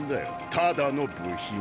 ただの部品。